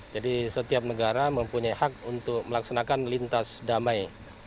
setiap negara mempunyai hak untuk melaksanakan lintas damai